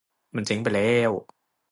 มันเจ๊งไปแล้ว